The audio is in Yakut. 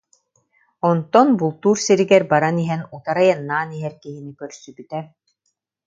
Онтон бултуур сиригэр баран иһэн утары айаннаан иһэр киһини көрсүбүтэ